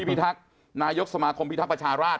พี่พิทักนายกสมาคมพิทักประชาราช